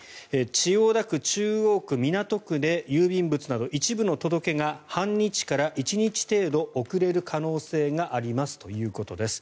千代田区、中央区、港区で郵便物など一部の届けが半日から１日程度遅れる可能性がありますということです。